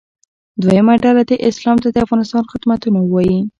دویمه ډله دې اسلام ته د افغانستان خدمتونه ووایي.